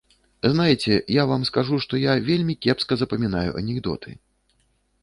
Знаеце, я вам скажу, што я вельмі кепска запамінаю анекдоты.